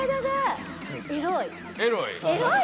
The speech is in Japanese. エロい？